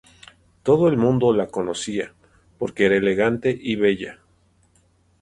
Todo el mundo la conocía porque era elegante y bella.